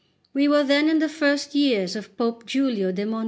We were then in the first years of Pope Giulio de Monti.